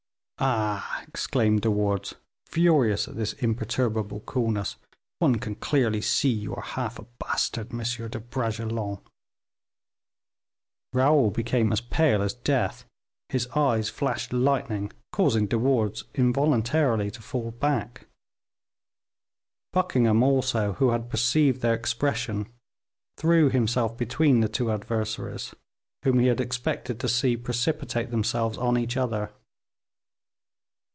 "Ah!" exclaimed De Wardes, furious at this imperturbable coolness, "one can clearly see you are half a bastard, M. de Bragelonne." Raoul became as pale as death; his eyes flashed lightning, causing De Wardes involuntarily to fall back. Buckingham, also, who had perceived their expression, threw himself between the two adversaries, whom he had expected to see precipitate themselves on each other.